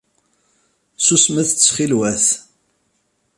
Susmet ttxilwat.